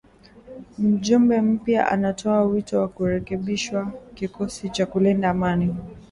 Mjumbe mpya anatoa wito wa kurekebishwa kikosi cha kulinda amani